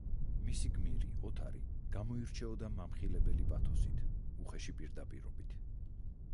მისი გმირი, ოთარი გამოირჩეოდა მამხილებელი პათოსით, უხეში პირდაპირობით.